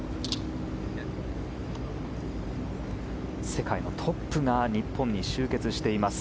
世界のトップが日本に集結しています。